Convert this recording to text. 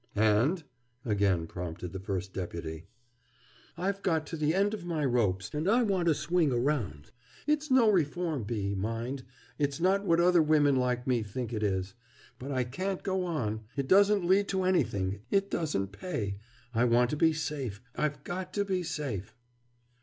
"And?" again prompted the First Deputy. "I've got to the end of my ropes; and I want to swing around. It's no reform bee, mind! It's not what other women like me think it is. But I can't go on. It doesn't lead to anything. It doesn't pay. I want to be safe. I've got to be safe!"